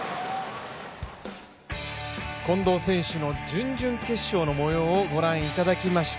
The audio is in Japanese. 近藤選手の準々決勝の模様をご覧いただきました。